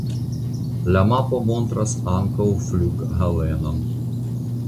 La mapo montras ankaŭ flughavenon.